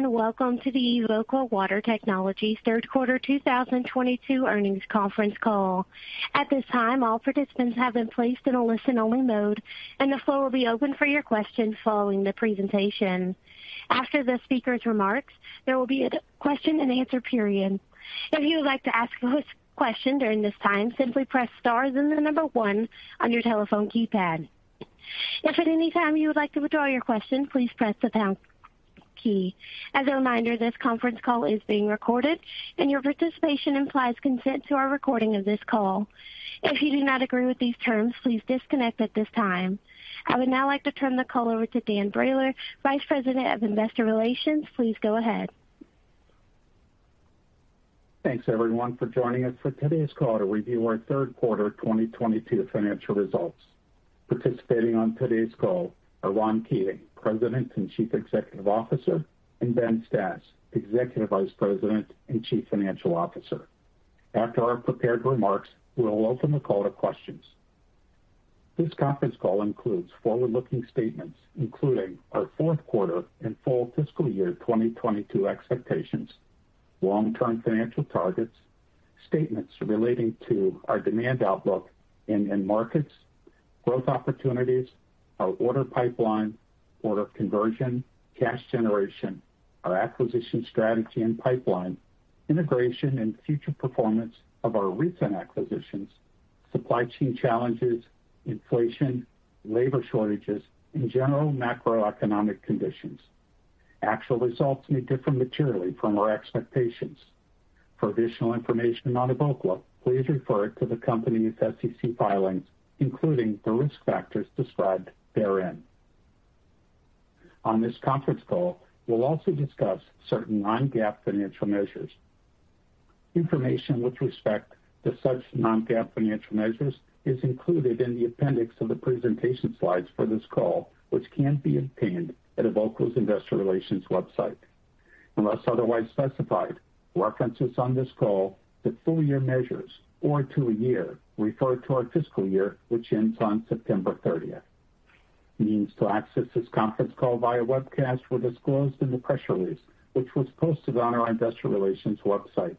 Hello, and welcome to the Evoqua Water Technologies third quarter 2022 earnings conference call. At this time, all participants have been placed in a listen-only mode, and the floor will be open for your questions following the presentation. After the speaker's remarks, there will be a question-and-answer period. If you would like to ask a question during this time, simply press star then the number one on your telephone keypad. If at any time you would like to withdraw your question, please press the pound key. As a reminder, this conference call is being recorded, and your participation implies consent to our recording of this call. If you do not agree with these terms, please disconnect at this time. I would now like to turn the call over to Dan Brailer, Vice President of Investor Relations. Please go ahead. Thanks, everyone, for joining us for today's call to review our third quarter 2022 financial results. Participating on today's call are Ron Keating, President and Chief Executive Officer, and Ben Stas, Executive Vice President and Chief Financial Officer. After our prepared remarks, we will open the call to questions. This conference call includes forward-looking statements, including our fourth quarter and full fiscal year 2022 expectations, long-term financial targets, statements relating to our demand outlook and end markets, growth opportunities, our order pipeline, order conversion, cash generation, our acquisition strategy and pipeline, integration and future performance of our recent acquisitions, supply chain challenges, inflation, labor shortages, and general macroeconomic conditions. Actual results may differ materially from our expectations. For additional information on Evoqua, please refer to the company's SEC filings, including the risk factors described therein. On this conference call, we'll also discuss certain non-GAAP financial measures. Information with respect to such non-GAAP financial measures is included in the appendix of the presentation slides for this call, which can be obtained at Evoqua's Investor Relations website. Unless otherwise specified, references on this call to full year measures or to a year refer to our fiscal year, which ends on September 30th. Means to access this conference call via webcast were disclosed in the press release, which was posted on our Investor Relations website.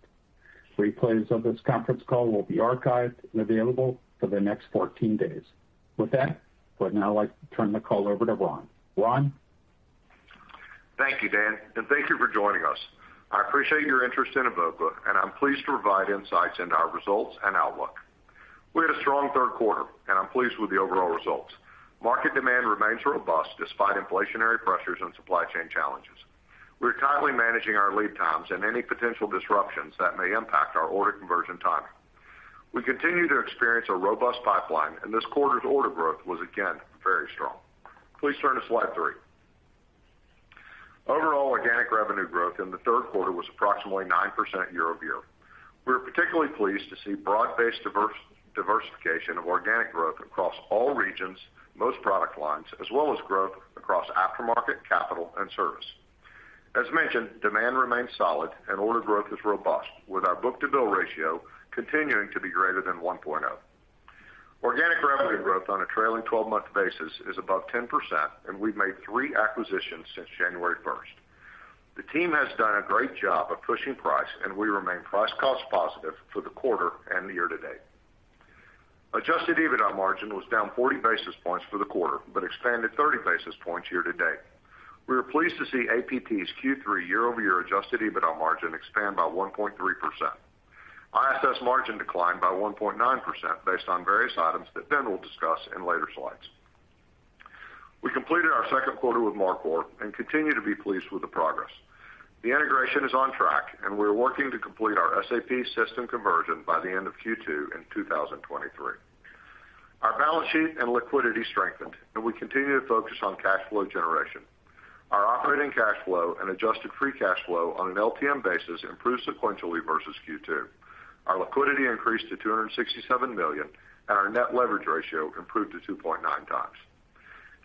Replays of this conference call will be archived and available for the next 14 days. With that, I would now like to turn the call over to Ron. Ron? Thank you, Dan, and thank you for joining us. I appreciate your interest in Evoqua, and I'm pleased to provide insights into our results and outlook. We had a strong third quarter, and I'm pleased with the overall results. Market demand remains robust despite inflationary pressures and supply chain challenges. We are tightly managing our lead times and any potential disruptions that may impact our order conversion timing. We continue to experience a robust pipeline, and this quarter's order growth was again very strong. Please turn to slide three. Overall organic revenue growth in the third quarter was approximately 9% year-over-year. We are particularly pleased to see broad-based diversification of organic growth across all regions, most product lines, as well as growth across aftermarket, capital, and service. As mentioned, demand remains solid and order growth is robust, with our book-to-bill ratio continuing to be greater than 1.0. Organic revenue growth on a trailing twelve-month basis is above 10%, and we've made three acquisitions since January 1st. The team has done a great job of pushing price, and we remain price cost positive for the quarter and the year to date. Adjusted EBITDA margin was down 40 basis points for the quarter, but expanded 30 basis points year to date. We are pleased to see APT's Q3 year-over-year adjusted EBITDA margin expand by 1.3%. ISS margin declined by 1.9% based on various items that Ben will discuss in later slides. We completed our second quarter with Mar Cor and continue to be pleased with the progress. The integration is on track, and we're working to complete our SAP system conversion by the end of Q2 in 2023. Our balance sheet and liquidity strengthened, and we continue to focus on cash flow generation. Our operating cash flow and adjusted free cash flow on an LTM basis improved sequentially versus Q2. Our liquidity increased to $267 million, and our net leverage ratio improved to 2.9 times.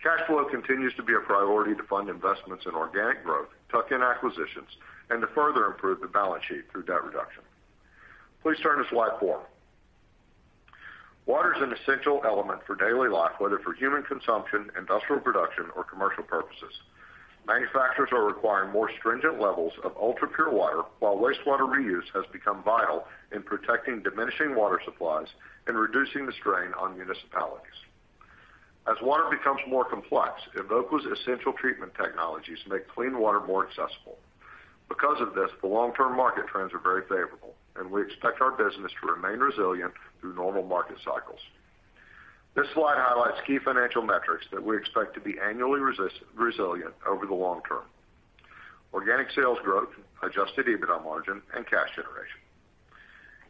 Cash flow continues to be a priority to fund investments in organic growth, tuck-in acquisitions, and to further improve the balance sheet through debt reduction. Please turn to slide four. Water is an essential element for daily life, whether for human consumption, industrial production, or commercial purposes. Manufacturers are requiring more stringent levels of ultrapure water, while wastewater reuse has become vital in protecting diminishing water supplies and reducing the strain on municipalities. As water becomes more complex, Evoqua's essential treatment technologies make clean water more accessible. Because of this, the long-term market trends are very favorable, and we expect our business to remain resilient through normal market cycles. This slide highlights key financial metrics that we expect to be annually resilient over the long term, organic sales growth, adjusted EBITDA margin, and cash generation.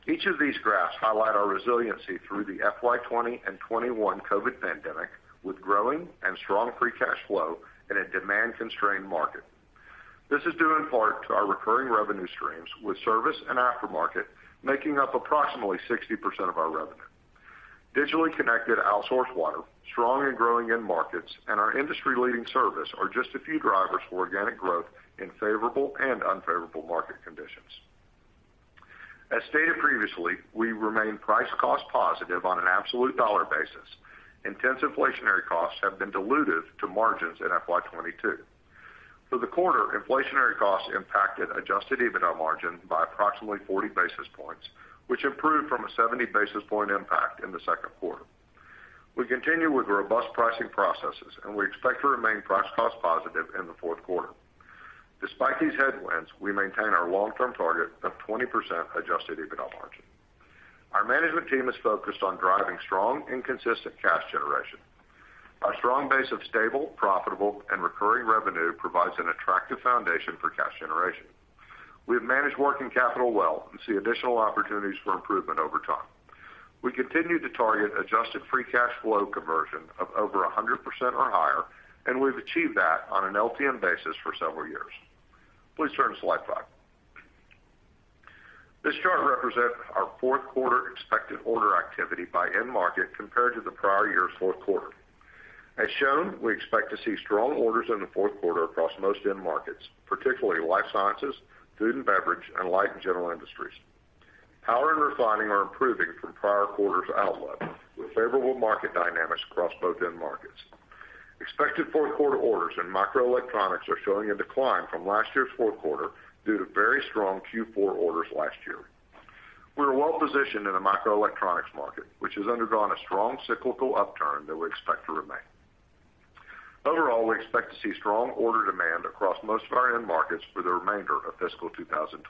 Each of these graphs highlight our resiliency through the FY 2020 and 2021 COVID pandemic with growing and strong free cash flow in a demand-constrained market. This is due in part to our recurring revenue streams, with service and aftermarket making up approximately 60% of our revenue. Digitally connected outsourced water, strong and growing end markets, and our industry-leading service are just a few drivers for organic growth in favorable and unfavorable market conditions. As stated previously, we remain price cost positive on an absolute dollar basis. Intense inflationary costs have been dilutive to margins in FY 2022. For the quarter, inflationary costs impacted adjusted EBITDA margin by approximately 40 basis points, which improved from a 70 basis point impact in the second quarter. We continue with robust pricing processes, and we expect to remain price cost positive in the fourth quarter. Despite these headwinds, we maintain our long-term target of 20% adjusted EBITDA margin. Our management team is focused on driving strong and consistent cash generation. Our strong base of stable, profitable and recurring revenue provides an attractive foundation for cash generation. We have managed working capital well and see additional opportunities for improvement over time. We continue to target adjusted free cash flow conversion of over 100% or higher, and we've achieved that on an LTM basis for several years. Please turn to slide five. This chart represents our fourth quarter expected order activity by end market compared to the prior year's fourth quarter. As shown, we expect to see strong orders in the fourth quarter across most end markets, particularly life sciences, food and beverage, and light and general industries. Power and refining are improving from prior quarter's outlook, with favorable market dynamics across both end markets. Expected fourth quarter orders in microelectronics are showing a decline from last year's fourth quarter due to very strong Q4 orders last year. We are well positioned in the microelectronics market, which has undergone a strong cyclical upturn that we expect to remain. Overall, we expect to see strong order demand across most of our end markets for the remainder of fiscal 2022.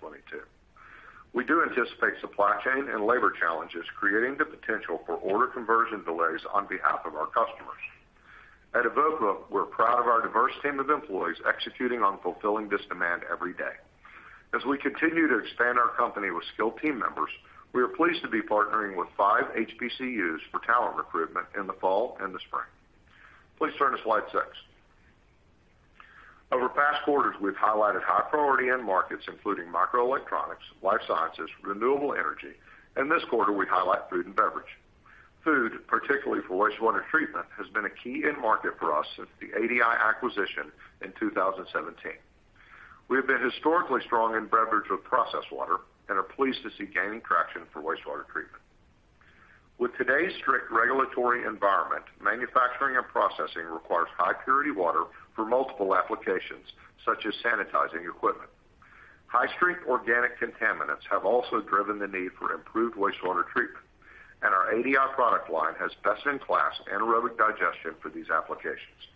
We do anticipate supply chain and labor challenges, creating the potential for order conversion delays on behalf of our customers. At Evoqua, we're proud of our diverse team of employees executing on fulfilling this demand every day. As we continue to expand our company with skilled team members, we are pleased to be partnering with five HBCUs for talent recruitment in the fall and the spring. Please turn to slide six. Over past quarters, we've highlighted high priority end markets, including microelectronics, life sciences, renewable energy, and this quarter we highlight food and beverage. Food, particularly for wastewater treatment, has been a key end market for us since the ADI acquisition in 2017. We have been historically strong in beverage with processed water and are pleased to see gaining traction for wastewater treatment. With today's strict regulatory environment, manufacturing and processing requires high purity water for multiple applications, such as sanitizing equipment. High-strength organic contaminants have also driven the need for improved wastewater treatment, and our ADI product line has best-in-class anaerobic digestion for these applications.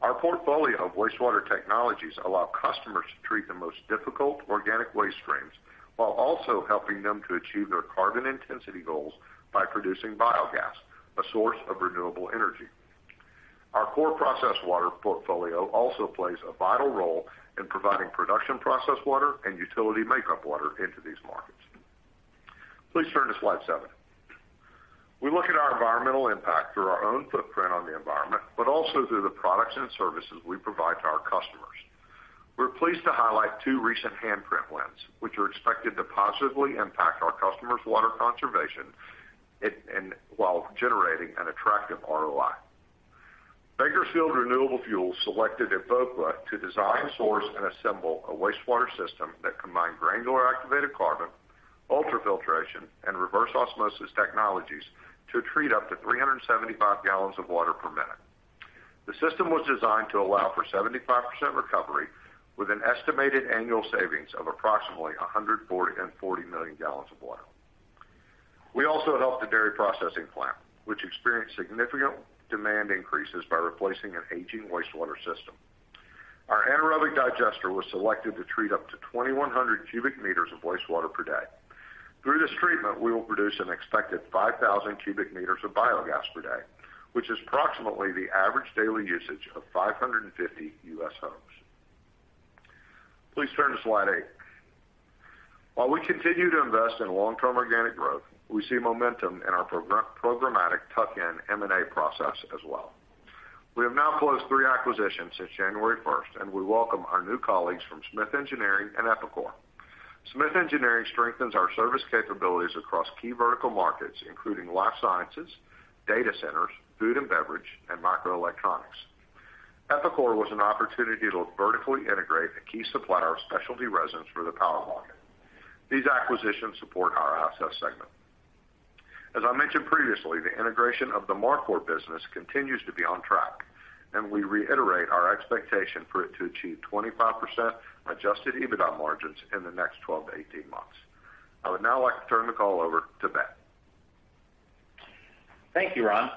Our portfolio of wastewater technologies allow customers to treat the most difficult organic waste streams while also helping them to achieve their carbon intensity goals by producing biogas, a source of renewable energy. Our core process water portfolio also plays a vital role in providing production process water and utility makeup water into these markets. Please turn to slide seven. We look at our environmental impact through our own footprint on the environment, but also through the products and services we provide to our customers. We're pleased to highlight two recent handprint wins, which are expected to positively impact our customers' water conservation and while generating an attractive ROI. Bakersfield Renewable Fuels selected Evoqua to design, source and assemble a wastewater system that combined granular activated carbon, ultrafiltration, and reverse osmosis technologies to treat up to 375 gallons of water per minute. The system was designed to allow for 75% recovery with an estimated annual savings of approximately 140 million gallons of water. We also helped a dairy processing plant, which experienced significant demand increases by replacing an aging wastewater system. Our anaerobic digester was selected to treat up to 2,100 cubic meters of wastewater per day. Through this treatment, we will produce an expected 5,000 cubic meters of biogas per day, which is approximately the average daily usage of 550 U.S. homes. Please turn to slide eight. While we continue to invest in long-term organic growth, we see momentum in our programmatic tuck-in M&A process as well. We have now closed three acquisitions since January first, and we welcome our new colleagues from Smith Engineering and EPICOR. Smith Engineering strengthens our service capabilities across key vertical markets, including life sciences, data centers, food and beverage, and microelectronics. EPICOR was an opportunity to vertically integrate a key supplier of specialty resins for the power market. These acquisitions support our APTs segment. As I mentioned previously, the integration of the Mar Cor business continues to be on track, and we reiterate our expectation for it to achieve 25% adjusted EBITDA margins in the next 12 to 18 months. I would now like to turn the call over to Ben. Thank you, Ron.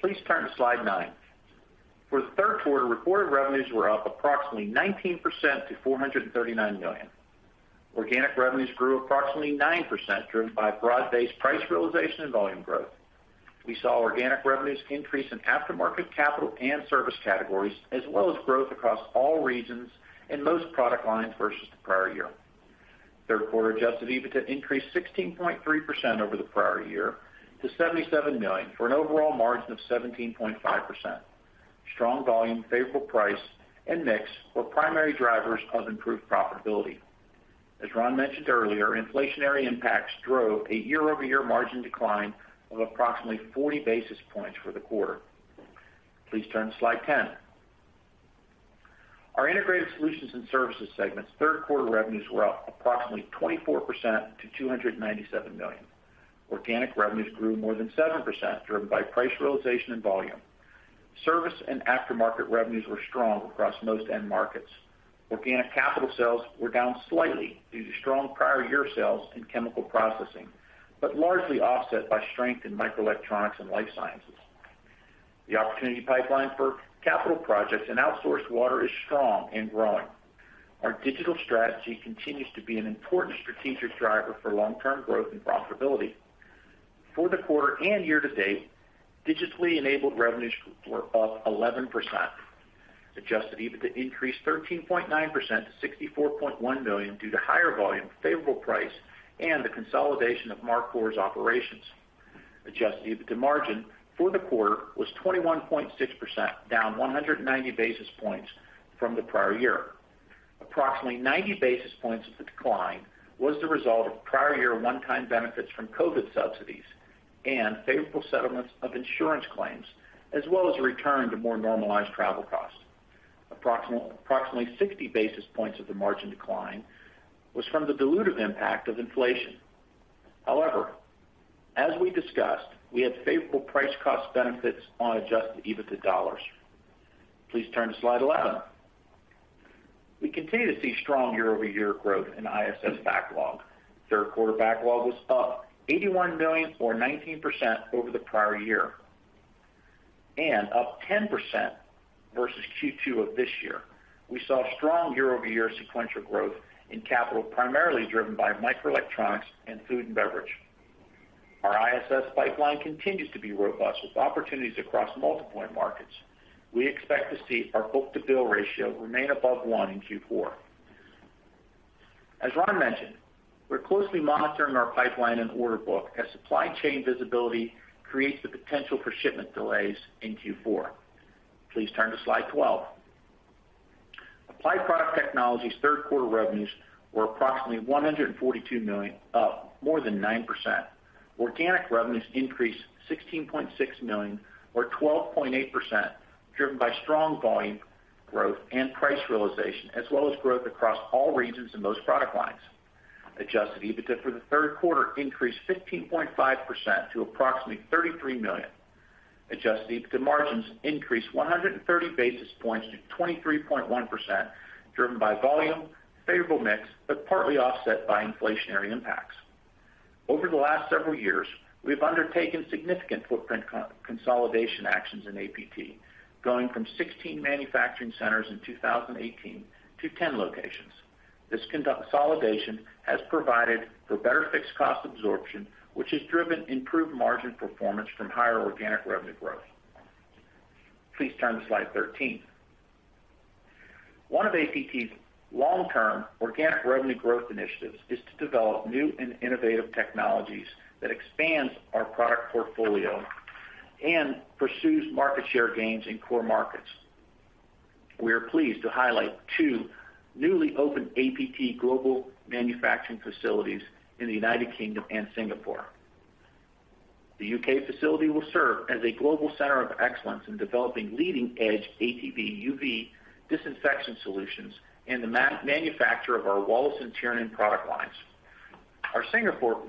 Please turn to slide nne. For the third quarter, reported revenues were up approximately 19% to $439 million. Organic revenues grew approximately 9%, driven by broad-based price realization and volume growth. We saw organic revenues increase in aftermarket, capital, and service categories, as well as growth across all regions and most product lines versus the prior year. Third quarter adjusted EBITDA increased 16.3% over the prior year to $77 million, for an overall margin of 17.5%. Strong volume, favorable price, and mix were primary drivers of improved profitability. As Ron mentioned earlier, inflationary impacts drove a year-over-year margin decline of approximately forty basis points for the quarter. Please turn to slide 10. Our Integrated Solutions and Services segment's third quarter revenues were up approximately 24% to $297 million. Organic revenues grew more than 7%, driven by price realization and volume. Service and aftermarket revenues were strong across most end markets. Organic capital sales were down slightly due to strong prior year sales in chemical processing, but largely offset by strength in microelectronics and life sciences. The opportunity pipeline for capital projects and outsourced water is strong and growing. Our digital strategy continues to be an important strategic driver for long-term growth and profitability. For the quarter and year-to-date, digitally enabled revenues were up 11%. Adjusted EBITDA increased 13.9% to $64.1 million due to higher volume, favorable price, and the consolidation of Mar Cor's operations. Adjusted EBITDA margin for the quarter was 21.6%, down 190 basis points from the prior year. Approximately 90 basis points of the decline was the result of prior year one-time benefits from COVID subsidies and favorable settlements of insurance claims, as well as a return to more normalized travel costs. Approximately 60 basis points of the margin decline was from the dilutive impact of inflation. However, as we discussed, we had favorable price cost benefits on adjusted EBITDA dollars. Please turn to slide 11. We continue to see strong year-over-year growth in ISS backlog. Third quarter backlog was up $81 million or 19% over the prior year and up 10% versus Q2 of this year. We saw strong year-over-year sequential growth in capital, primarily driven by microelectronics and food and beverage. Our ISS pipeline continues to be robust, with opportunities across multiple end markets. We expect to see our book-to-bill ratio remain above one in Q4. As Ron mentioned, we're closely monitoring our pipeline and order book as supply chain visibility creates the potential for shipment delays in Q4. Please turn to slide 12. Applied Product Technologies's third quarter revenues were approximately $142 million, up more than 9%. Organic revenues increased $16.6 million or 12.8%, driven by strong volume growth and price realization, as well as growth across all regions and most product lines. Adjusted EBITDA for the third quarter increased 15.5% to approximately $33 million. Adjusted EBITDA margins increased 130 basis points to 23.1%, driven by volume, favorable mix, but partly offset by inflationary impacts. Over the last several years, we've undertaken significant footprint consolidation actions in APT, going from 16 manufacturing centers in 2018 to 10 locations. This consolidation has provided for better fixed cost absorption, which has driven improved margin performance from higher organic revenue growth. Please turn to slide 13. One of APT's long-term organic revenue growth initiatives is to develop new and innovative technologies that expands our product portfolio and pursues market share gains in core markets. We are pleased to highlight two newly opened APT global manufacturing facilities in the United Kingdom and Singapore. The U.K. facility will serve as a global center of excellence in developing leading-edge APT UV disinfection solutions and the manufacture of our Wallace & Tiernan product lines. Our Singapore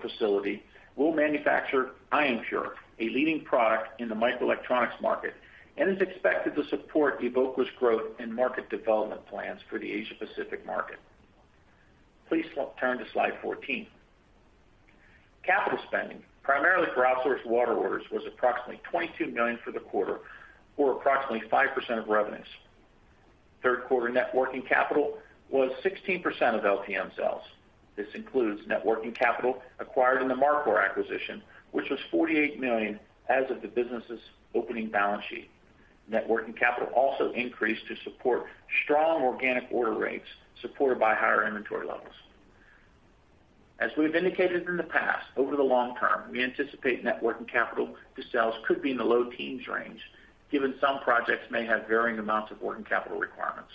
facility will manufacture Ionpure, a leading product in the microelectronics market, and is expected to support Evoqua's growth and market development plans for the Asia-Pacific market. Please turn to slide 14. Capital spending, primarily for outsourced water orders, was approximately $22 million for the quarter or approximately 5% of revenues. Third quarter net working capital was 16% of LTM sales. This includes net working capital acquired in the Mar Cor acquisition, which was $48 million as of the business's opening balance sheet. Net working capital also increased to support strong organic order rates supported by higher inventory levels. As we've indicated in the past, over the long term, we anticipate net working capital to sales could be in the low teens range, given some projects may have varying amounts of working capital requirements.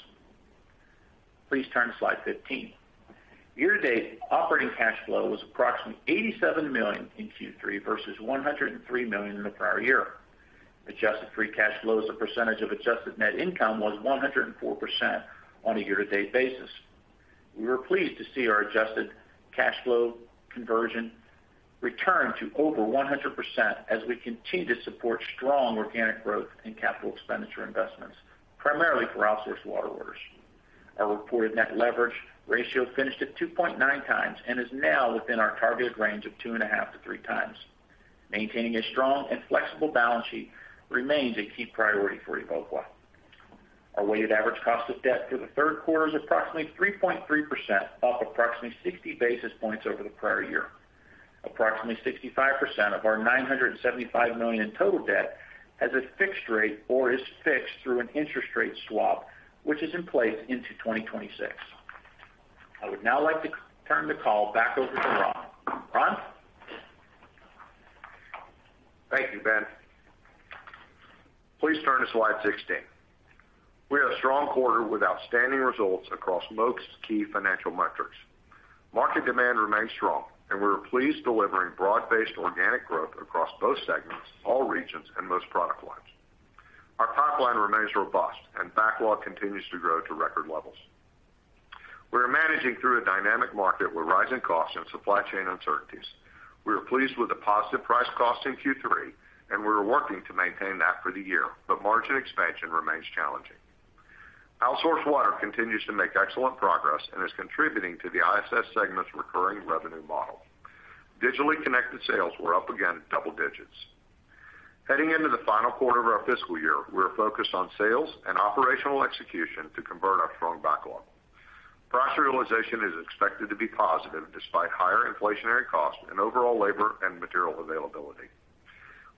Please turn to slide 15. Year-to-date operating cash flow was approximately $87 million in Q3 versus $103 million in the prior year. Adjusted free cash flow as a percentage of adjusted net income was 104% on a year-to-date basis. We were pleased to see our adjusted cash flow conversion return to over 100% as we continue to support strong organic growth in capital expenditure investments, primarily for outsourced water orders. Our reported net leverage ratio finished at 2.9 times and is now within our targeted range of 2.5 to three times. Maintaining a strong and flexible balance sheet remains a key priority for Evoqua. Our weighted average cost of debt through the third quarter is approximately 3.3%, up approximately 60 basis points over the prior year. Approximately 65% of our $975 million in total debt has a fixed rate or is fixed through an interest rate swap, which is in place into 2026. I would now like to turn the call back over to Ron. Ron? Thank you, Ben. Please turn to slide 16. We had a strong quarter with outstanding results across most key financial metrics. Market demand remains strong, and we are pleased delivering broad-based organic growth across both segments, all regions and most product lines. Our pipeline remains robust and backlog continues to grow to record levels. We are managing through a dynamic market with rising costs and supply chain uncertainties. We are pleased with the positive price cost in Q3, and we are working to maintain that for the year, but margin expansion remains challenging. Outsource water continues to make excellent progress and is contributing to the ISS segment's recurring revenue model. Digitally connected sales were up again double digits. Heading into the final quarter of our fiscal year, we are focused on sales and operational execution to convert our strong backlog. Price realization is expected to be positive despite higher inflationary costs and overall labor and material availability.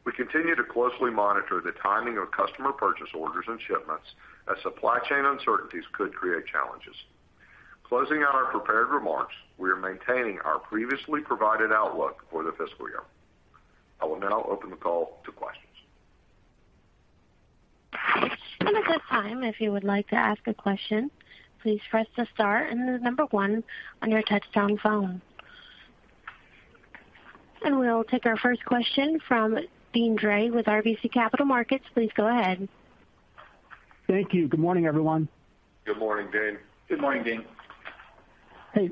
We continue to closely monitor the timing of customer purchase orders and shipments as supply chain uncertainties could create challenges. Closing out our prepared remarks, we are maintaining our previously provided outlook for the fiscal year. I will now open the call to questions. At this time, if you would like to ask a question, please press the star and the number one on your touch-tone phone. We'll take our first question from Deane Dray with RBC Capital Markets. Please go ahead. Thank you. Good morning, everyone. Good morning, Deane. Good morning, Deane. Hey,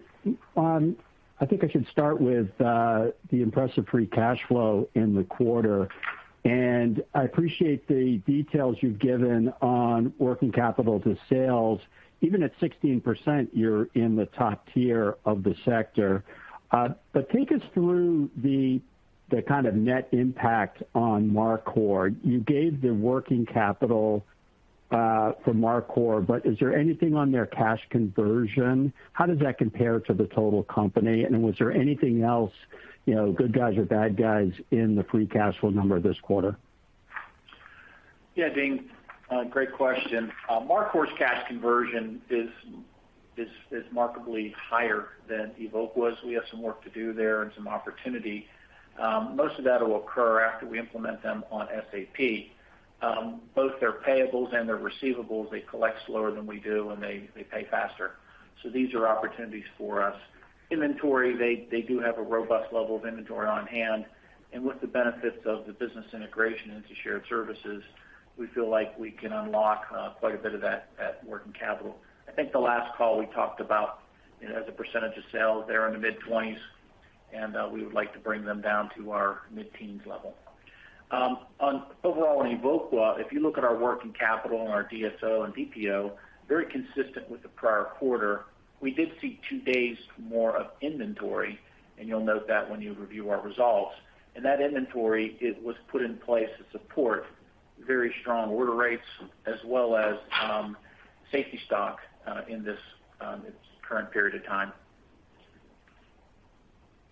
I think I should start with the impressive free cash flow in the quarter, and I appreciate the details you've given on working capital to sales. Even at 16%, you're in the top tier of the sector. Take us through the kind of net impact on Mar Cor. You gave the working capital for Mar Cor, but is there anything on their cash conversion? How does that compare to the total company? And was there anything else, you know, good guys or bad guys in the free cash flow number this quarter? Yeah, Dean, great question. Mar Cor's cash conversion is markedly higher than Evoqua's. We have some work to do there and some opportunity. Most of that will occur after we implement them on SAP. Both their payables and their receivables, they collect slower than we do, and they pay faster. So these are opportunities for us. Inventory, they do have a robust level of inventory on-hand, and with the benefits of the business integration into shared services, we feel like we can unlock quite a bit of that working capital. I think the last call we talked about, you know, as a percentage of sales, they're in the mid-20s%, and we would like to bring them down to our mid-teens% level. On overall in Evoqua, if you look at our working capital and our DSO and DPO, very consistent with the prior quarter. We did see two days more of inventory, and you'll note that when you review our results. That inventory it was put in place to support very strong order rates as well as safety stock in this current period of time.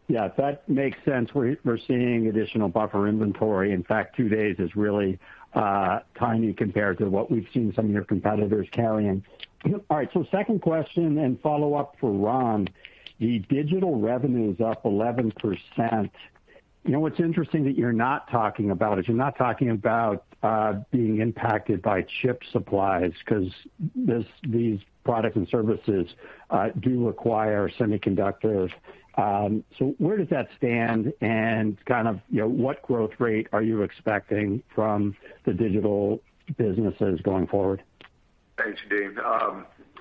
Yeah, that makes sense. We're seeing additional buffer inventory. In fact, two days is really tiny compared to what we've seen some of your competitors carrying. All right, so second question and follow-up for Ron. The digital revenue is up 11%. You know what's interesting that you're not talking about is you're not talking about being impacted by chip supplies 'cause these products and services do require semiconductors. So where does that stand? And kind of, you know, what growth rate are you expecting from the digital businesses going forward? Thanks, Dean.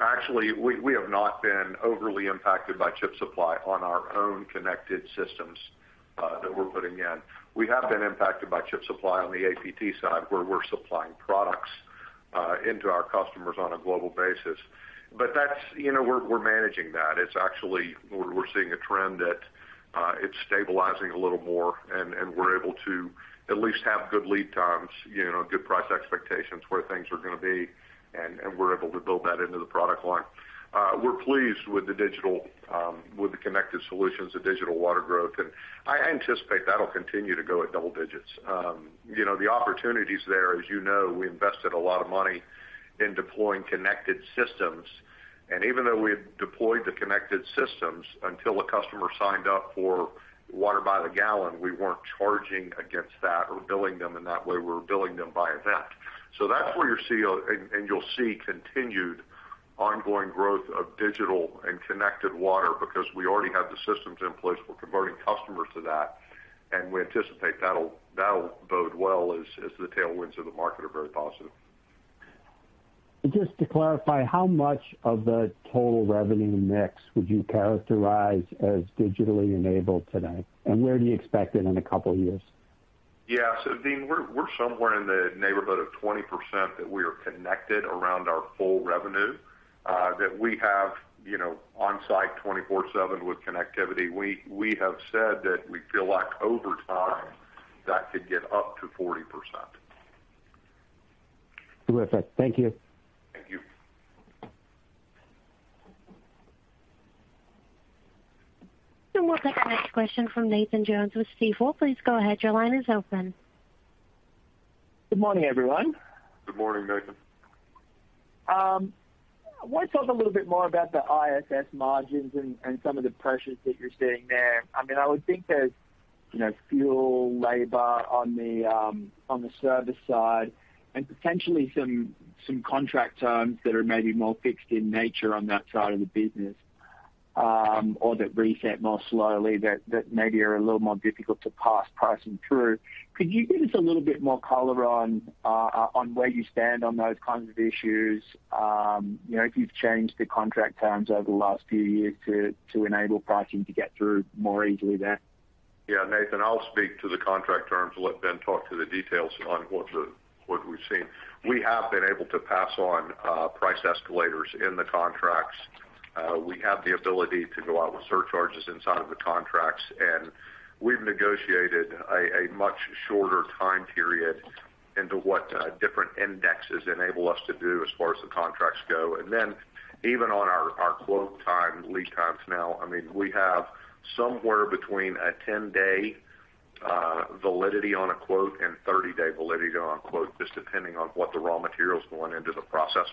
Actually, we have not been overly impacted by chip supply on our own connected systems that we're putting in. We have been impacted by chip supply on the APT side, where we're supplying products into our customers on a global basis. But that's, you know, we're managing that. It's actually we're seeing a trend that it's stabilizing a little more and we're able to at least have good lead times, you know, good price expectations where things are gonna be, and we're able to build that into the product line. We're pleased with the digital, with the connected solutions to digital water growth. I anticipate that'll continue to go at double digits. You know, the opportunities there, as you know, we invested a lot of money in deploying connected systems. Even though we had deployed the connected systems, until the customer signed up for water by the gallon, we weren't charging against that or billing them in that way. We were billing them by event. That's where you'll see, and you'll see continued ongoing growth of digital and connected water because we already have the systems in place. We're converting customers to that, and we anticipate that'll bode well as the tailwinds of the market are very positive. Just to clarify, how much of the total revenue mix would you characterize as digitally enabled today? Where do you expect it in a couple years? Yeah. Deane, we're somewhere in the neighborhood of 20% that we are connected around our full revenue, that we have, you know, on-site 24/7 with connectivity. We have said that we feel like over time, that could get up to 40%. Terrific. Thank you. Thank you. We'll take the next question from Nathan Jones with Stifel. Please go ahead. Your line is open. Good morning, everyone. Good morning, Nathan. Wanna talk a little bit more about the ISS margins and some of the pressures that you're seeing there. I mean, I would think that. You know, fuel labor on the service side and potentially some contract terms that are maybe more fixed in nature on that side of the business, or that reset more slowly that maybe are a little more difficult to pass pricing through. Could you give us a little bit more color on where you stand on those kinds of issues? You know, if you've changed the contract terms over the last few years to enable pricing to get through more easily there. Yeah, Nathan Jones, I'll speak to the contract terms, let Ben Stas talk to the details on what we've seen. We have been able to pass on price escalators in the contracts. We have the ability to go out with surcharges inside of the contracts, and we've negotiated a much shorter time period into what different indexes enable us to do as far as the contracts go. Then even on our quote time, lead times now, I mean, we have somewhere between a 10-day validity on a quote and 30-day validity on a quote, just depending on what the raw materials going into the process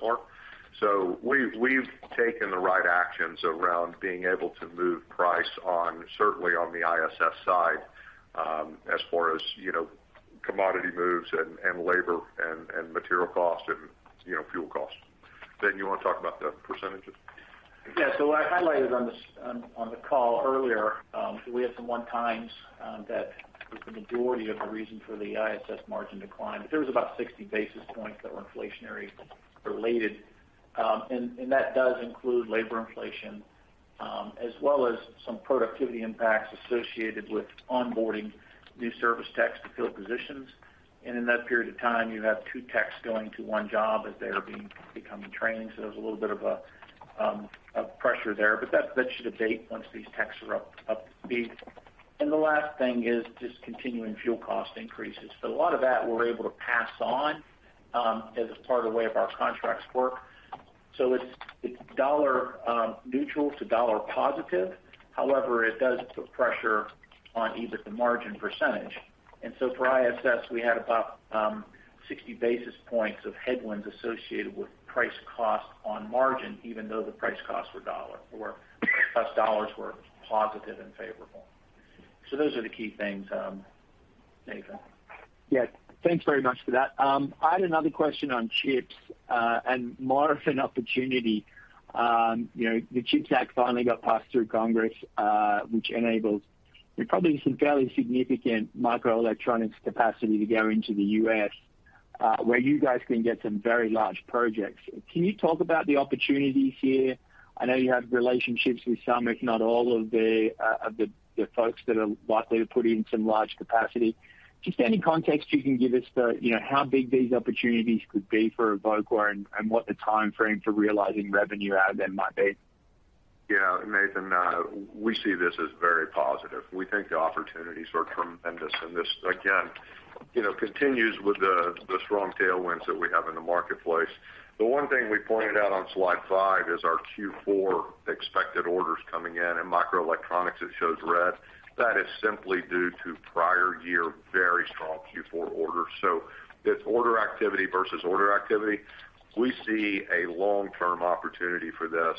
are. We've taken the right actions around being able to move price on certainly on the ISS side, as far as, you know, commodity moves and labor and material costs and, you know, fuel costs. Ben, you wanna talk about the percentages? Yeah. I highlighted on the call earlier, we had some one-time, that was the majority of the reason for the ISS margin decline. There was about 60 basis points that were inflationary related, and that does include labor inflation, as well as some productivity impacts associated with onboarding new service techs to fill positions. In that period of time, you have two techs going to one job as they are becoming trained. There's a little bit of a pressure there, but that should abate once these techs are up to speed. The last thing is just continuing fuel cost increases. A lot of that we're able to pass on, as part of the way our contracts work. It's dollar neutral to dollar positive. However, it does put pressure on EBITDA margin percentage. For ISS, we had about 60 basis points of headwinds associated with price-cost on margin, even though the price-costs were dollar-for-dollar plus dollars were positive and favorable. Those are the key things, Nathan. Yes. Thanks very much for that. I had another question on CHIPS, and more of an opportunity. You know, the CHIPS Act finally got passed through Congress, which enables probably some fairly significant microelectronics capacity to go into the U.S., where you guys can get some very large projects. Can you talk about the opportunities here? I know you have relationships with some, if not all of the folks that are likely to put in some large capacity. Just any context you can give us to, you know, how big these opportunities could be for Evoqua and what the timeframe for realizing revenue out of them might be. Yeah, Nathan, we see this as very positive. We think the opportunities are tremendous, and this again, you know, continues with the strong tailwinds that we have in the marketplace. The one thing we pointed out on slide five is our Q4 expected orders coming in. In microelectronics, it shows red. That is simply due to prior year, very strong Q4 orders. It's order activity versus order activity. We see a long-term opportunity for this,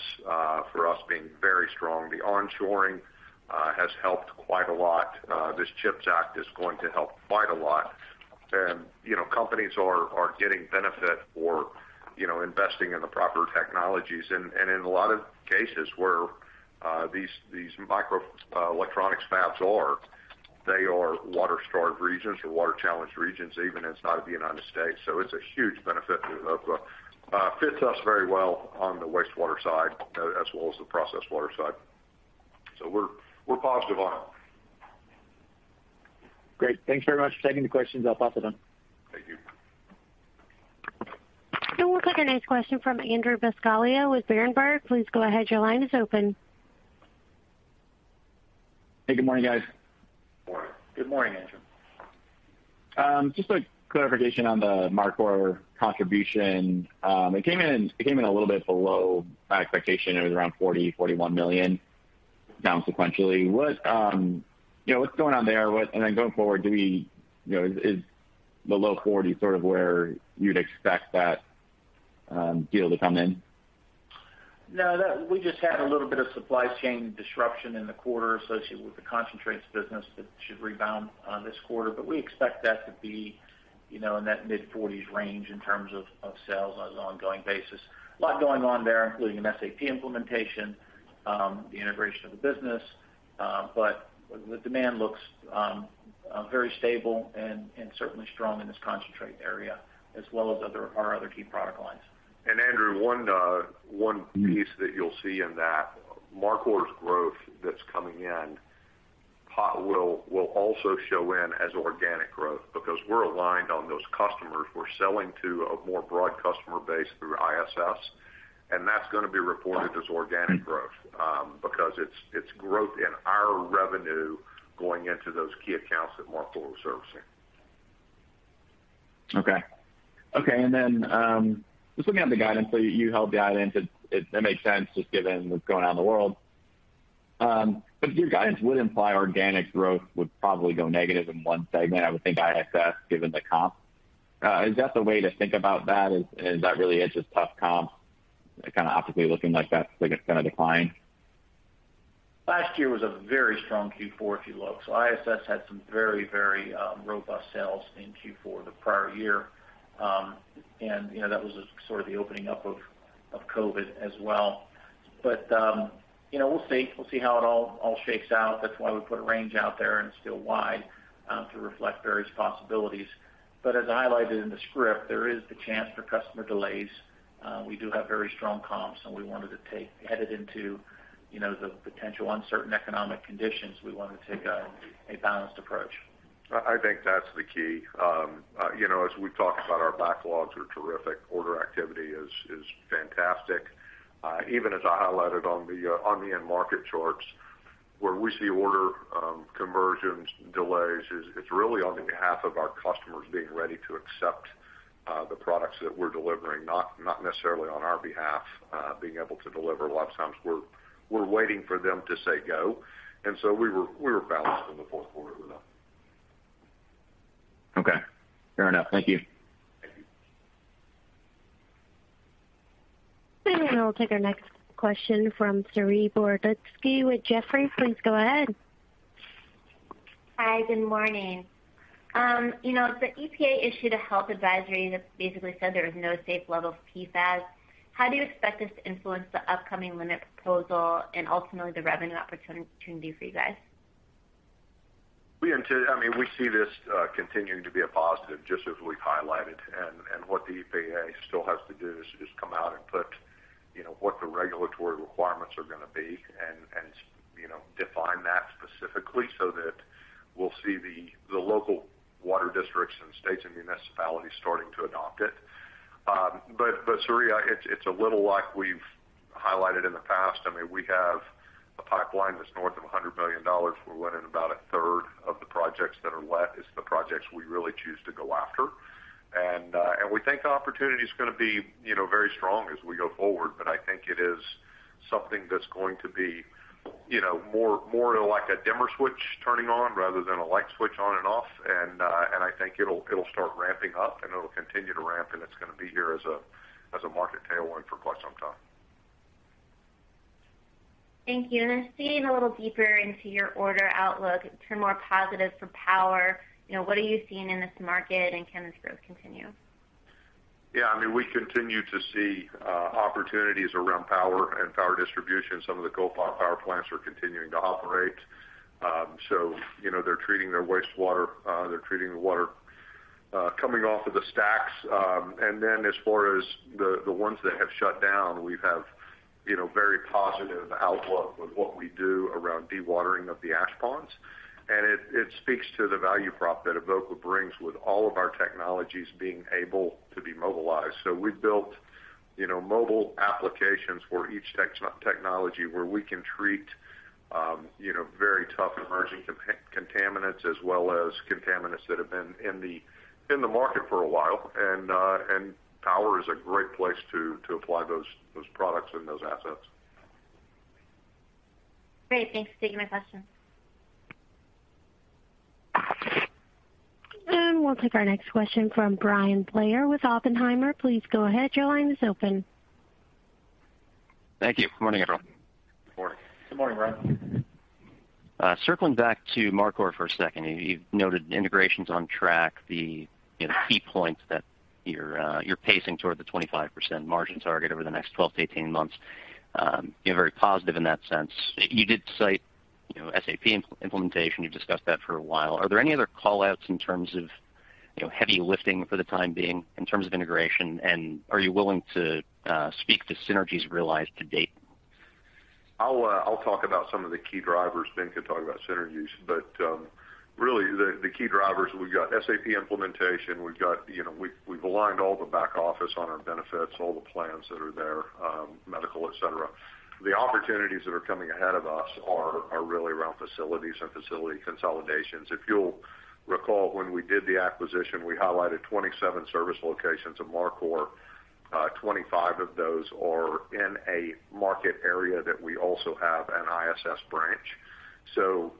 for us being very strong. The onshoring has helped quite a lot. This CHIPS Act is going to help quite a lot. You know, companies are getting benefit for, you know, investing in the proper technologies. In a lot of cases where these microelectronics fabs are, they are water-starved regions or water-challenged regions, even inside of the United States. It's a huge benefit to Evoqua. Fits us very well on the wastewater side as well as the processed water side. We're positive on it. Great. Thanks very much for taking the questions. I'll pass it on. Thank you. We'll take our next question from Andrew Buscaglia with Berenberg. Please go ahead. Your line is open. Hey, good morning, guys. Morning. Good morning, Andrew. Just a clarification on the Mar Cor contribution. It came in a little bit below our expectation. It was around $40 million to $41 million down sequentially. What, you know, what's going on there? Then going forward, do we, you know, is the low 40 sort of where you'd expect that deal to come in? No, that we just had a little bit of supply chain disruption in the quarter associated with the concentrates business that should rebound this quarter. We expect that to be, you know, in that mid-40s range in terms of sales on an ongoing basis. A lot going on there, including an SAP implementation, the integration of the business, but the demand looks very stable and certainly strong in this concentrate area as well as our other key product lines. Andrew, one piece that you'll see in that Mar Cor's growth that's coming in part will also show in as organic growth because we're aligned on those customers. We're selling to a more broad customer base through ISS, and that's gonna be reported as organic growth, because it's growth in our revenue going into those key accounts that Mar Cor was servicing. Okay. Just looking at the guidance that you held, it makes sense just given what's going on in the world. Your guidance would imply organic growth would probably go negative in one segment. I would think ISS given the comp. Is that the way to think about that? Is that really it's just tough comp? Kind of optically looking like that's like it's gonna decline. Last year was a very strong Q4, if you look. ISS had some very robust sales in Q4 the prior year. You know, that was sort of the opening up of COVID as well. You know, we'll see. We'll see how it all shakes out. That's why we put a range out there, and it's still wide to reflect various possibilities. As highlighted in the script, there is the chance for customer delays. We do have very strong comps, and headed into you know, the potential uncertain economic conditions, we wanted to take a balanced approach. I think that's the key. You know, as we've talked about, our backlogs are terrific. Order activity is fantastic. Even as I highlighted on the end market charts, where we see order conversions delays, it's really on behalf of our customers being ready to accept the products that we're delivering, not necessarily on our behalf being able to deliver. A lot of times we're waiting for them to say go. We were balanced in the fourth quarter with them. Okay. Fair enough. Thank you. Thank you. We'll take our next question from Saree Boroditsky with Jefferies. Please go ahead. Hi, good morning. You know, the EPA issued a health advisory that basically said there was no safe level of PFAS. How do you expect this to influence the upcoming limit proposal and ultimately the revenue opportunity for you guys? I mean, we see this continuing to be a positive, just as we've highlighted. What the EPA still has to do is just come out and put what the regulatory requirements are gonna be and define that specifically so that we'll see the local water districts and states and municipalities starting to adopt it. But Saree, it's a little like we've highlighted in the past. I mean, we have a pipeline that's north of $100 million. We're winning about a third of the projects that are let, i.e., the projects we really choose to go after. We think opportunity is gonna be, you know, very strong as we go forward, but I think it is something that's going to be, you know, more like a dimmer switch turning on rather than a light switch on and off. I think it'll start ramping up, and it'll continue to ramp, and it's gonna be here as a market tailwind for quite some time. Thank you. Digging a little deeper into your order outlook to more positive for power. You know, what are you seeing in this market, and can this growth continue? Yeah. I mean, we continue to see opportunities around power and power distribution. Some of the coal power plants are continuing to operate. You know, they're treating their wastewater, they're treating the water coming off of the stacks. Then as far as the ones that have shut down, we have, you know, very positive outlook with what we do around dewatering of the ash ponds. It speaks to the value prop that Evoqua brings with all of our technologies being able to be mobilized. We've built, you know, mobile applications for each technology where we can treat, you know, very tough emerging contaminants as well as contaminants that have been in the market for a while. Power is a great place to apply those products and those assets. Great. Thanks for taking my question. We'll take our next question from Bryan Blair with Oppenheimer. Please go ahead. Your line is open. Thank you. Good morning, everyone. Good morning. Good morning, Bryan. Circling back to Mar Cor for a second. You've noted integration's on track, the, you know, key points that you're pacing toward the 25% margin target over the next 12 to 18 months. You're very positive in that sense. You did cite, you know, SAP implementation. You've discussed that for a while. Are there any other call-outs in terms of, you know, heavy lifting for the time being in terms of integration? And are you willing to speak to synergies realized to date? I'll talk about some of the key drivers. Ben can talk about synergies. Really, the key drivers, we've got SAP implementation. You know, we've aligned all the back office on our benefits, all the plans that are there, medical, et cetera. The opportunities that are coming ahead of us are really around facilities and facility consolidations. If you'll recall, when we did the acquisition, we highlighted 27 service locations of Mar Cor. 25 of those are in a market area that we also have an ISS branch.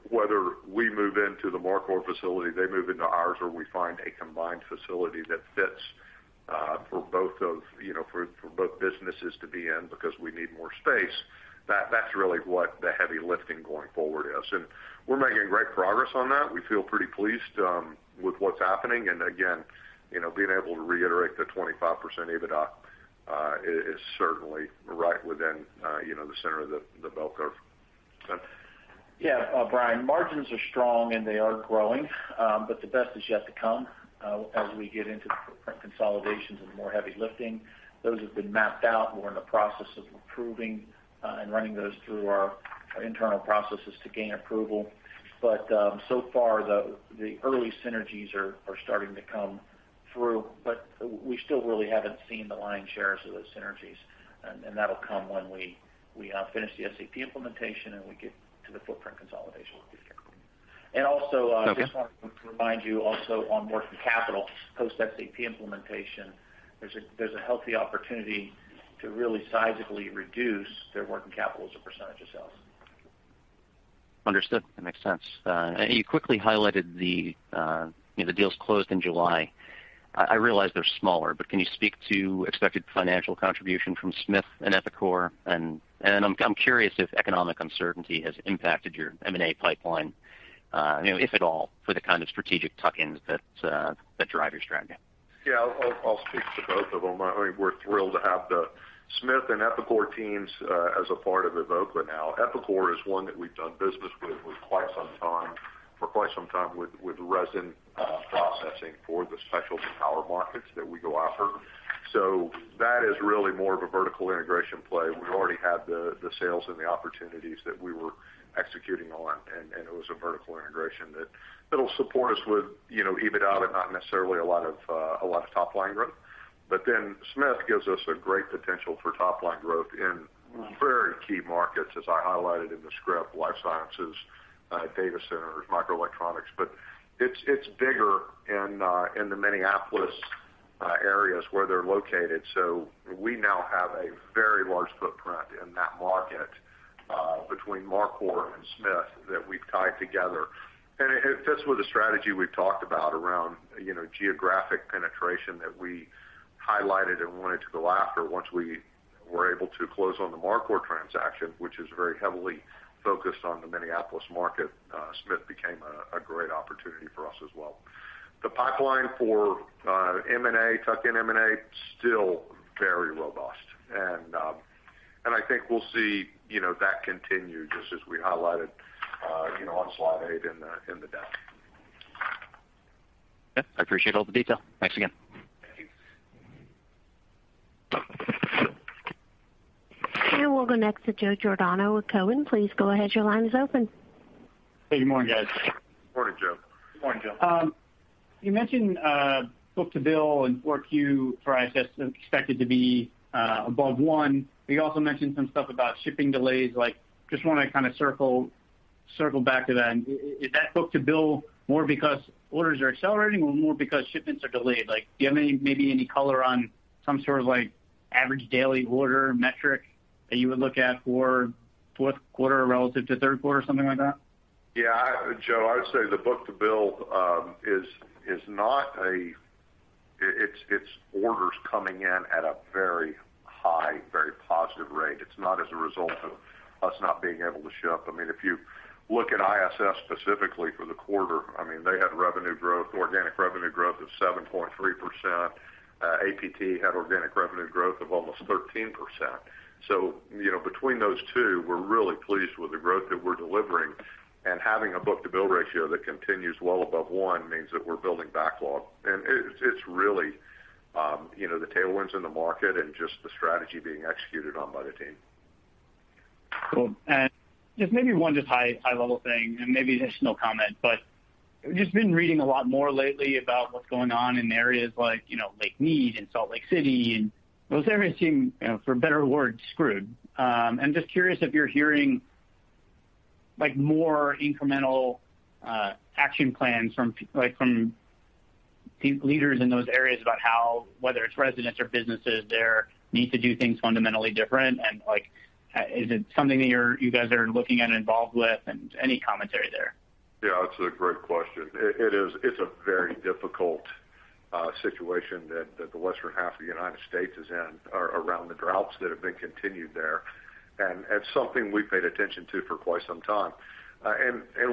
Whether we move into the Mar Cor facility, they move into ours, or we find a combined facility that fits, you know, for both businesses to be in because we need more space, that's really what the heavy lifting going forward is. We're making great progress on that. We feel pretty pleased with what's happening. Again, you know, being able to reiterate the 25% EBITDA is certainly right within, you know, the center of the bell curve. Ben? Yeah. Bryan, margins are strong, and they are growing. The best is yet to come as we get into the footprint consolidations and more heavy lifting. Those have been mapped out. We're in the process of approving and running those through our internal processes to gain approval. So far, the early synergies are starting to come through, but we still really haven't seen the lion's shares of those synergies. That'll come when we finish the SAP implementation and we get to the footprint consolidation piece. Also. Okay. I just wanted to remind you also on working capital, post SAP implementation, there's a healthy opportunity to really sizably reduce their working capital as a percentage of sales. Understood. That makes sense. You quickly highlighted the deals closed in July. I realize they're smaller, but can you speak to expected financial contribution from Smith Engineering and EPICOR? I'm curious if economic uncertainty has impacted your M&A pipeline, if at all, for the kind of strategic tuck-ins that drive your strategy. Yeah, I'll speak to both of them. I mean, we're thrilled to have the Smith and EPICOR teams as a part of Evoqua now. EPICOR is one that we've done business with for quite some time with resin processing for the specialty pure markets that we go after. That is really more of a vertical integration play. We already had the sales and the opportunities that we were executing on, and it was a vertical integration that it'll support us with, you know, EBITDA, but not necessarily a lot of top line growth. Smith gives us a great potential for top line growth in very key markets, as I highlighted in the script, life sciences, data centers, microelectronics. It's bigger in the Minneapolis areas where they're located. We now have a very large footprint in that market between Mar Cor and Smith that we've tied together. It fits with the strategy we've talked about around, you know, geographic penetration that we highlighted and wanted to go after once we were able to close on the Mar Cor transaction, which is very heavily focused on the Minneapolis market. Smith became a great opportunity for us as well. The pipeline for M&A, tuck-in M&A, still very robust. I think we'll see, you know, that continue just as we highlighted, you know, on slide eight in the deck. Yeah. I appreciate all the detail. Thanks again. Thank you. We'll go next to Joe Giordano with Cowen. Please go ahead. Your line is open. Hey, good morning, guys. Morning, Joe. Morning, Joe. You mentioned book-to-bill in Q4 for ISS expected to be above one. You also mentioned some stuff about shipping delays. Like, just wanna kind of circle back to that. Is that book-to-bill more because orders are accelerating or more because shipments are delayed? Like, do you have any, maybe any color on some sort of like average daily order metric that you would look at for fourth quarter relative to third quarter or something like that? Yeah. Joe, I would say the book-to-bill is not a result of us not being able to ship. It's orders coming in at a very high, very positive rate. It's not a result of us not being able to ship. I mean, if you look at ISS specifically for the quarter, I mean, they had revenue growth, organic revenue growth of 7.3%. APT had organic revenue growth of almost 13%. You know, between those two, we're really pleased with the growth that we're delivering. Having a book-to-bill ratio that continues well above one means that we're building backlog. It's really, you know, the tailwinds in the market and just the strategy being executed on by the team. Cool. Just maybe one high level thing and maybe additional comment, but just been reading a lot more lately about what's going on in areas like, you know, Lake Mead and Salt Lake City, and those areas seem, you know, for better or worse, screwed. I'm just curious if you're hearing like more incremental action plans from leaders in those areas about how, whether it's residents or businesses there need to do things fundamentally different. Like, is it something that you guys are looking at involved with? Any commentary there? Yeah, that's a great question. It's a very difficult situation that the western half of the United States is in around the droughts that have been continued there. It's something we paid attention to for quite some time.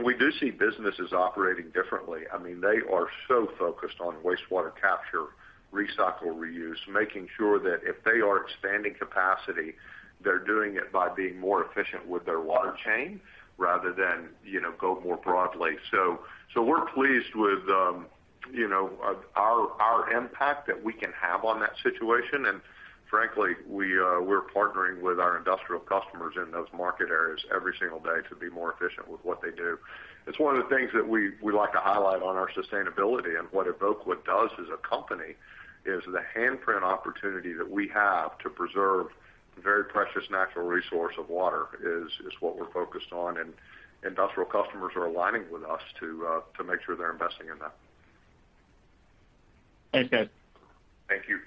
We do see businesses operating differently. I mean, they are so focused on wastewater capture, recycle, reuse, making sure that if they are expanding capacity, they're doing it by being more efficient with their water chain rather than, you know, go more broadly. So we're pleased with, you know, our impact that we can have on that situation. Frankly, we're partnering with our industrial customers in those market areas every single day to be more efficient with what they do. It's one of the things that we like to highlight on our sustainability. What Evoqua does as a company is the handprint opportunity that we have to preserve very precious natural resource of water is what we're focused on, and industrial customers are aligning with us to make sure they're investing in that. Thanks, guys. Thank you.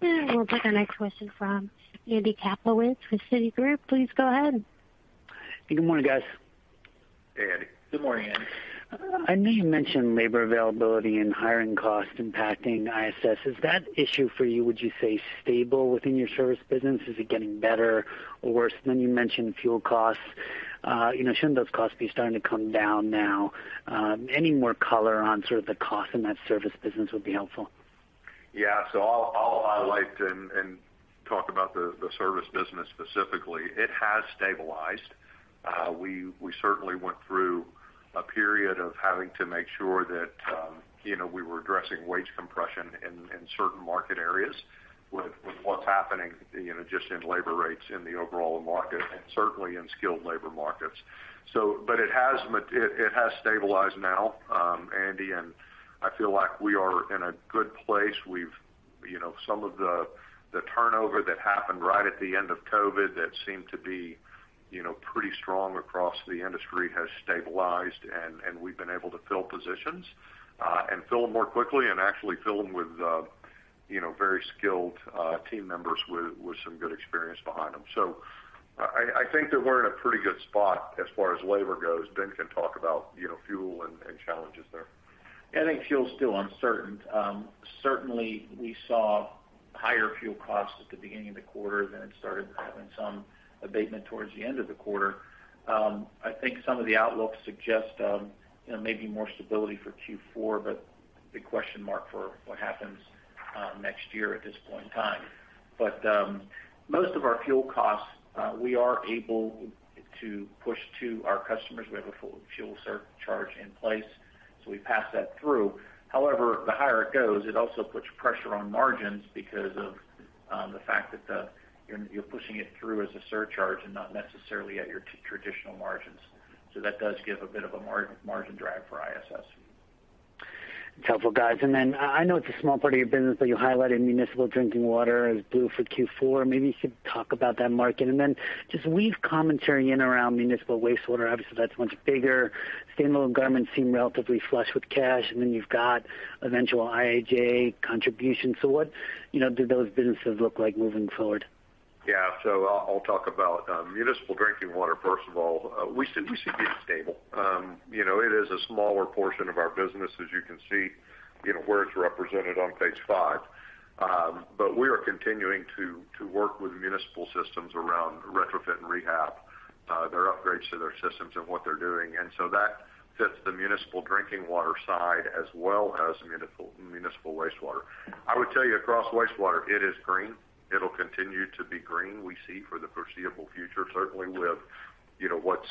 We'll take our next question from Andrew Kaplowitz with Citigroup. Please go ahead. Good morning, guys. Hey, Andy. Good morning, Andy. I know you mentioned labor availability and hiring costs impacting ISS. Is that issue for you, would you say, stable within your service business? Is it getting better or worse? Then you mentioned fuel costs. You know, shouldn't those costs be starting to come down now? Any more color on sort of the cost in that service business would be helpful. Yeah. I'll highlight and talk about the service business specifically. It has stabilized. We certainly went through a period of having to make sure that you know, we were addressing wage compression in certain market areas with what's happening you know, just in labor rates in the overall market and certainly in skilled labor markets. It has stabilized now, Andy, and I feel like we are in a good place. You know, some of the turnover that happened right at the end of COVID that seemed to be you know, pretty strong across the industry has stabilized and we've been able to fill positions and fill them more quickly and actually fill them with you know, very skilled team members with some good experience behind them. I think that we're in a pretty good spot as far as labor goes. Ben can talk about, you know, fuel and challenges there. I think fuel is still uncertain. Certainly we saw higher fuel costs at the beginning of the quarter, then it started having some abatement towards the end of the quarter. I think some of the outlooks suggest, you know, maybe more stability for Q4, but big question mark for what happens next year at this point in time. Most of our fuel costs we are able to push to our customers. We have a full fuel surcharge in place, so we pass that through. However, the higher it goes, it also puts pressure on margins because of the fact that you're pushing it through as a surcharge and not necessarily at your traditional margins. That does give a bit of a margin drag for ISS. That's helpful, guys. I know it's a small part of your business, but you highlighted municipal drinking water as blue for Q4. Maybe you could talk about that market. Just weave commentary in around municipal wastewater. Obviously, that's much bigger. State and local governments seem relatively flush with cash, and then you've got eventual IIJA contribution. What, you know, do those businesses look like moving forward? Yeah. I'll talk about municipal drinking water, first of all. We see it stable. You know, it is a smaller portion of our business, as you can see, you know, where it's represented on page five. But we are continuing to work with municipal systems around retrofit and rehab, their upgrades to their systems and what they're doing. That fits the municipal drinking water side as well as municipal wastewater. I would tell you across wastewater, it is green. It'll continue to be green, we see for the foreseeable future, certainly with, you know, what's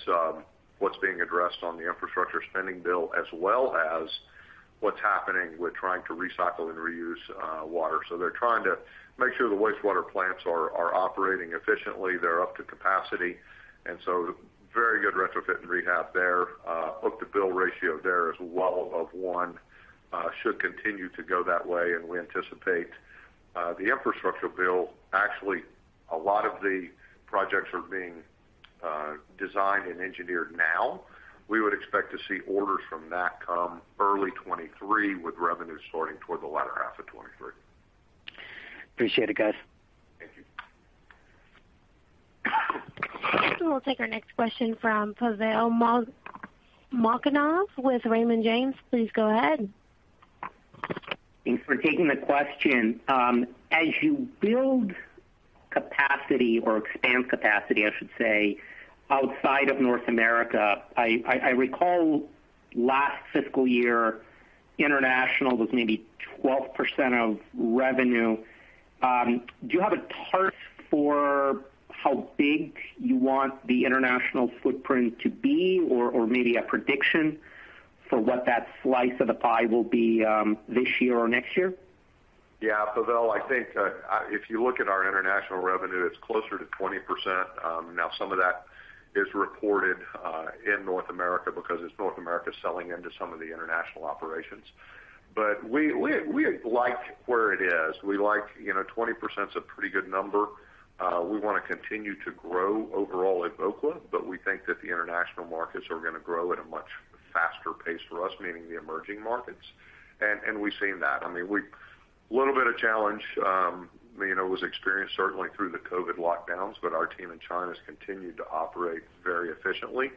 being addressed on the infrastructure spending bill, as well as what's happening with trying to recycle and reuse water. They're trying to make sure the wastewater plants are operating efficiently. They're up to capacity. Very good retrofit and rehab there. Book-to-bill ratio there is well above one. Should continue to go that way. We anticipate the infrastructure bill. Actually, a lot of the projects are being designed and engineered now. We would expect to see orders from that come early 2023, with revenue starting toward the latter half of 2023. Appreciate it, guys. Thank you. We'll take our next question from Pavel Molchanov with Raymond James. Please go ahead. Thanks for taking the question. As you build capacity or expand capacity, I should say, outside of North America, I recall last fiscal year, international was maybe 12% of revenue. Do you have a target for how big you want the international footprint to be or maybe a prediction for what that slice of the pie will be, this year or next year? Yeah. Pavel, I think if you look at our international revenue, it's closer to 20%. Now some of that is reported in North America because it's North America selling into some of the international operations. We like where it is. We like. You know, 20% is a pretty good number. We wanna continue to grow overall at Evoqua, but we think that the international markets are gonna grow at a much faster pace for us, meaning the emerging markets. We've seen that. I mean, little bit of challenge, you know, was experienced certainly through the COVID lockdowns, but our team in China has continued to operate very efficiently.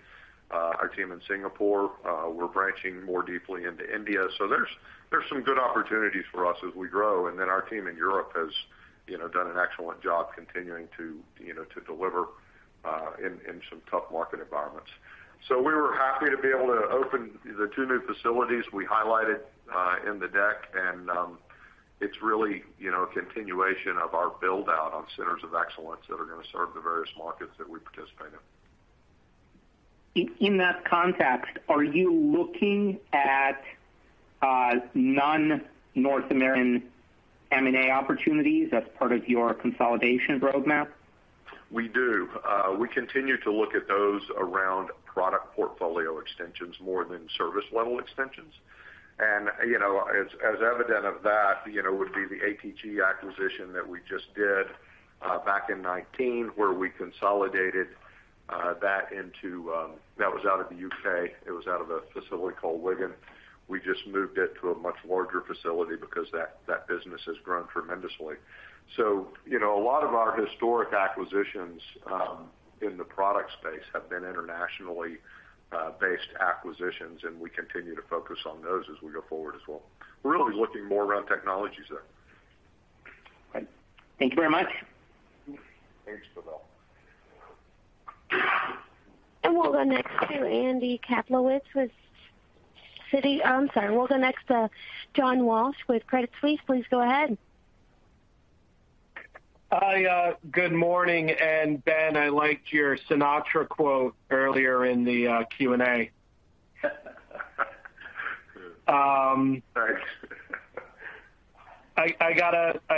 Our team in Singapore, we're branching more deeply into India. There's some good opportunities for us as we grow. Our team in Europe has, you know, done an excellent job continuing to, you know, to deliver in some tough market environments. We were happy to be able to open the two new facilities we highlighted in the deck. It's really, you know, a continuation of our build-out on centers of excellence that are gonna serve the various markets that we participate in. In that context, are you looking at non-North American M&A opportunities as part of your consolidation roadmap? We do. We continue to look at those around product portfolio extensions more than service level extensions. You know, as evidence of that, you know, would be the ATG acquisition that we just did, back in 2019, where we consolidated that into. That was out of the U.K. It was out of a facility called Wigan. We just moved it to a much larger facility because that business has grown tremendously. You know, a lot of our historic acquisitions in the product space have been internationally based acquisitions, and we continue to focus on those as we go forward as well. We're really looking more around technologies there. Great. Thank you very much. Thanks, Pavel. We'll go next to Andrew Kaplowitz with Citi. I'm sorry. We'll go next to John Walsh with Credit Suisse. Please go ahead. Hi. Good morning. Ben, I liked your Sinatra quote earlier in the Q&A. Thanks. I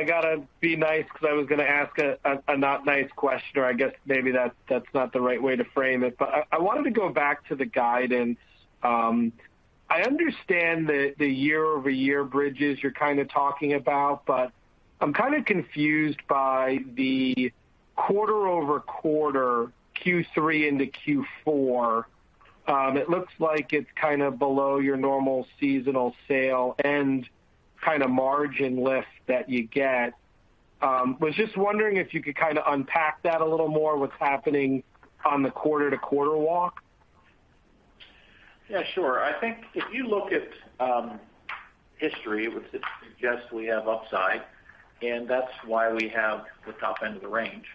gotta be nice because I was gonna ask a not nice question, or I guess maybe that's not the right way to frame it. I wanted to go back to the guidance. I understand the year-over-year bridges you're kind of talking about, but I'm kind of confused by the quarter-over-quarter Q3 into Q4. It looks like it's kind of below your normal seasonal sales and kind of margin lift that you get. I was just wondering if you could kind of unpack that a little more, what's happening on the quarter-to-quarter walk. Yeah, sure. I think if you look at history, which suggests we have upside, and that's why we have the top end of the range.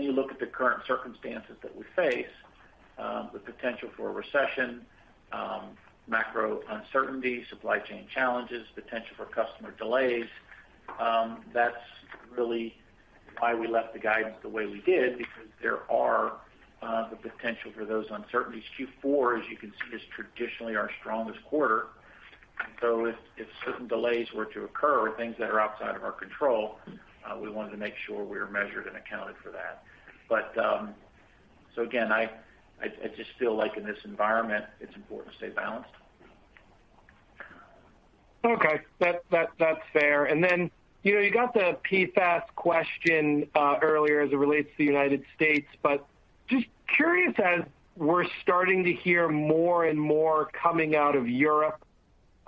You look at the current circumstances that we face, the potential for recession, macro uncertainty, supply chain challenges, potential for customer delays. That's really why we left the guidance the way we did, because there are the potential for those uncertainties. Q4, as you can see, is traditionally our strongest quarter. If certain delays were to occur or things that are outside of our control, we wanted to make sure we were measured and accounted for that. Again, I just feel like in this environment, it's important to stay balanced. That's fair. Then, you know, you got the PFAS question earlier as it relates to the United States. Just curious, as we're starting to hear more and more coming out of Europe,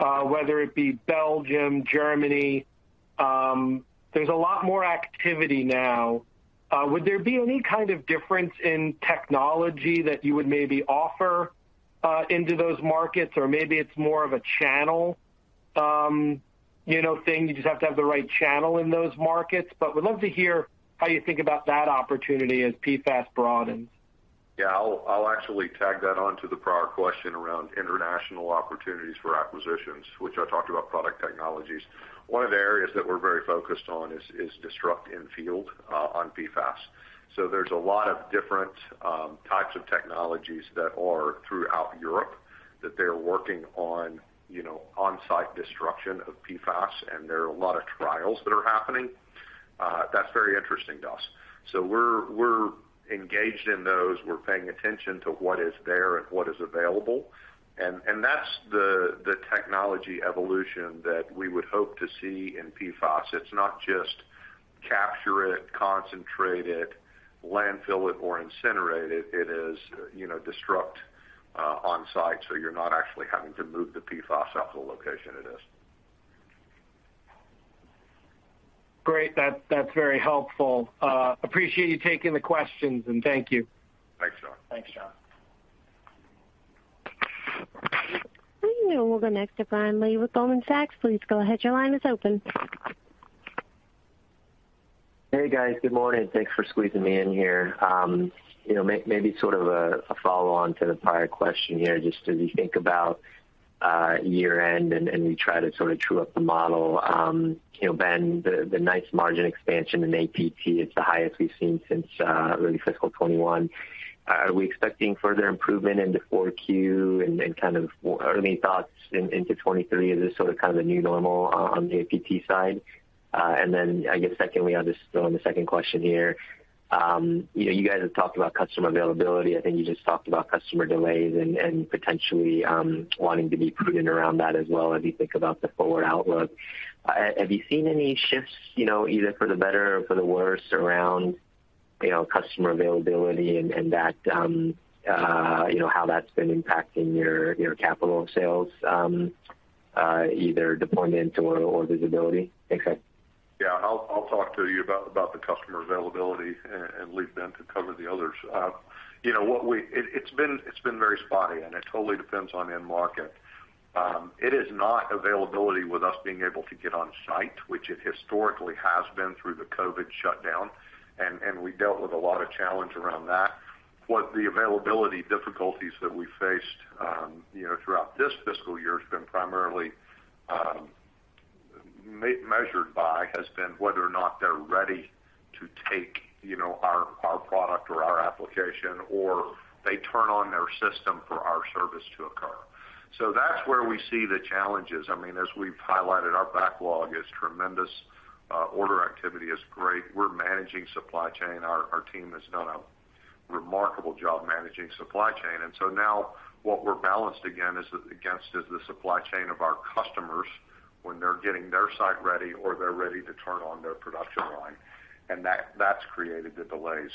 whether it be Belgium, Germany, there's a lot more activity now. Would there be any kind of difference in technology that you would maybe offer into those markets? Or maybe it's more of a channel, you know, thing, you just have to have the right channel in those markets. Would love to hear how you think about that opportunity as PFAS broadens. Yeah, I'll actually tag that on to the prior question around international opportunities for acquisitions, which I talked about product technologies. One of the areas that we're very focused on is disruption in field on PFAS. There's a lot of different types of technologies that are throughout Europe that they're working on, you know, on-site destruction of PFAS, and there are a lot of trials that are happening. That's very interesting to us. We're engaged in those. We're paying attention to what is there and what is available. That's the technology evolution that we would hope to see in PFAS. It's not just capture it, concentrate it, landfill it or incinerate it. It is, you know, disruption on-site, so you're not actually having to move the PFAS off the location it is. Great. That's very helpful. Appreciate you taking the questions, and thank you. Thanks, John. Thanks, John. We will go next to Bryan Lee with Goldman Sachs. Please go ahead. Your line is open. Hey, guys. Good morning. Thanks for squeezing me in here. You know, maybe sort of a follow on to the prior question here, just as you think about year-end and we try to sort of true up the model. You know, Ben, the nice margin expansion in APT, it's the highest we've seen since really fiscal 2021. Are we expecting further improvement into 4Q and kind of early thoughts into 2023? Is this sort of kind of a new normal on the APT side? And then I guess secondly, I'll just throw in the second question here. You know, you guys have talked about customer availability. I think you just talked about customer delays and potentially wanting to be prudent around that as well as you think about the forward outlook. Have you seen any shifts, you know, either for the better or for the worse around, you know, customer availability and that, you know, how that's been impacting your capital sales, either deployment or visibility? Thanks, guys. Yeah, I'll talk to you about the customer availability and leave Ben to cover the others. It's been very spotty, and it totally depends on end market. It is not availability with us being able to get on site, which it historically has been through the COVID shutdown, and we dealt with a lot of challenge around that. What the availability difficulties that we faced, you know, throughout this fiscal year has been primarily measured by has been whether or not they're ready to take, you know, our product or our application, or they turn on their system for our service to occur. So that's where we see the challenges. I mean, as we've highlighted, our backlog is tremendous. Order activity is great. We're managing supply chain. Our team has done a remarkable job managing supply chain. Now what we're balanced against is the supply chain of our customers when they're getting their site ready or they're ready to turn on their production line. That has created the delays.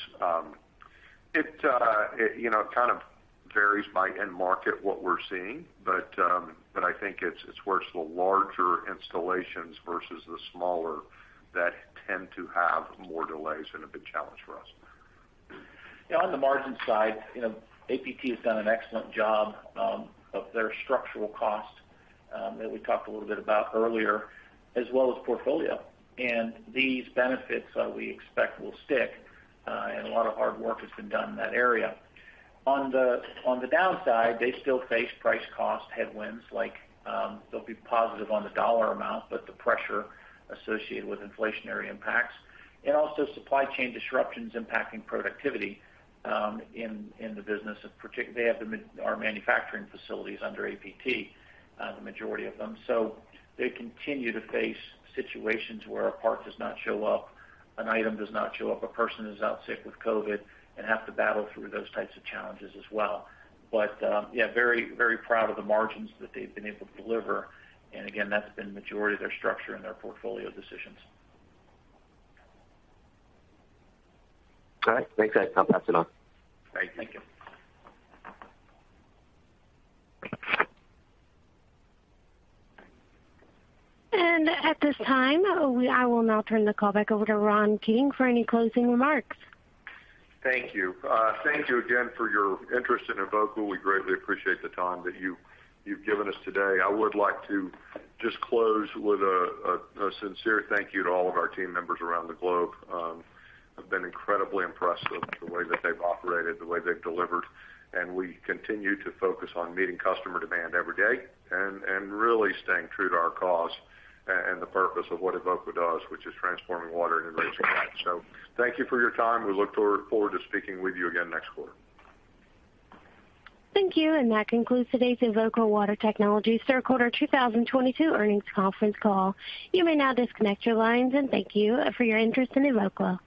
It, you know, kind of varies by end market what we're seeing. I think it's where it's the larger installations versus the smaller that tend to have more delays and a big challenge for us. Yeah, on the margin side, you know, APT has done an excellent job of their structural cost that we talked a little bit about earlier, as well as portfolio. These benefits we expect will stick and a lot of hard work has been done in that area. On the downside, they still face price cost headwinds, like, they'll be positive on the dollar amount, but the pressure associated with inflationary impacts and also supply chain disruptions impacting productivity in the business. In particular, they have our manufacturing facilities under APT, the majority of them. They continue to face situations where a part does not show up, an item does not show up, a person is out sick with COVID, and have to battle through those types of challenges as well. yeah, very, very proud of the margins that they've been able to deliver. Again, that's been majority of their structure and their portfolio decisions. All right. Thanks, guys. I'll pass it on. Great. Thank you. I will now turn the call back over to Ron Keating for any closing remarks. Thank you. Thank you again for your interest in Evoqua. We greatly appreciate the time that you've given us today. I would like to just close with a sincere thank you to all of our team members around the globe. I've been incredibly impressed with the way that they've operated, the way they've delivered, and we continue to focus on meeting customer demand every day and really staying true to our cause and the purpose of what Evoqua does, which is transforming water into usable products. Thank you for your time. We look forward to speaking with you again next quarter. Thank you. That concludes today's Evoqua Water Technologies Third Quarter 2022 Earnings Conference Call. You may now disconnect your lines, and thank you for your interest in Evoqua.